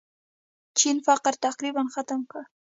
چین فقر تقریباً ختم کړ.